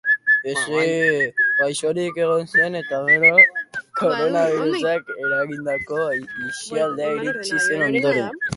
Gaixorik egon zen gero eta koronabirusak eragindako itxialdia iritsi zen ondoren.